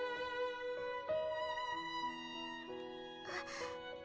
あっ。